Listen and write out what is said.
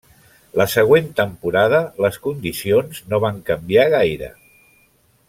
La següent temporada les condicions no van canviar gaire.